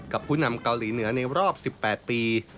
ผู้นำเกาหลีเหนือในรอบ๑๘ปี